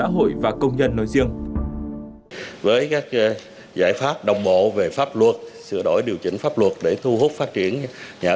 với các giải pháp đồng bộ về pháp luật sửa đổi điều chỉnh pháp luật để thu hút phát triển nhà ở